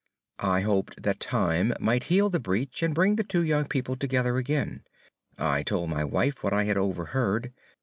I hoped that time might heal the breach and bring the two young people together again. I told my wife what I had overheard.